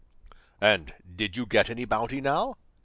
"And did you get any bounty, now?"